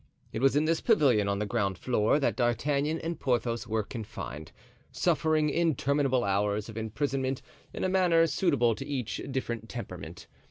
It was in this pavilion, on the ground floor, that D'Artagnan and Porthos were confined, suffering interminable hours of imprisonment in a manner suitable to each different temperament.